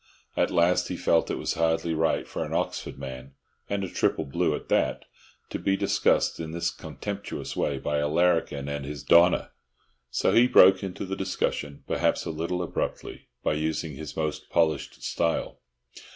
At last he felt it was hardly right for an Oxford man, and a triple blue at that, to be discussed in this contemptuous way by a larrikin and his "donah," so he broke into the discussion, perhaps a little abruptly, but using his most polished style.